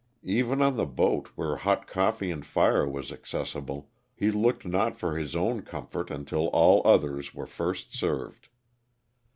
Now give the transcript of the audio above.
Even on the boat, where hot coffee and fire was accessible, he looked not for his own comfort until all others were first served.